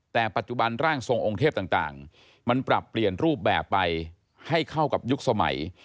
แต่ปัจจุบันร่างทรงองค์เทพต่างมันปรับเปลี่ยนรูปแบบไปให้เข้ากับยุคสมัย